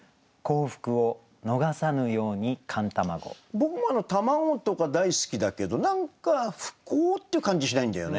僕も卵とか大好きだけど何か不幸っていう感じしないんだよね。